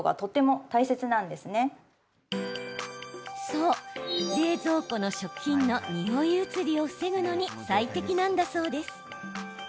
そう、冷蔵庫の食品のにおい移りを防ぐのに最適なんだそうです。